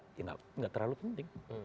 tidak terlalu penting